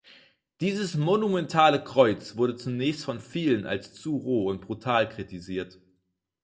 Dieses monumentale Kreuz wurde zunächst von vielen als zu roh und brutal kritisiert.